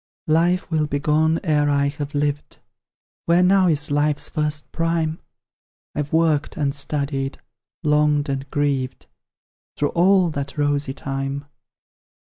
Life will be gone ere I have lived; Where now is Life's first prime? I've worked and studied, longed and grieved, Through all that rosy time.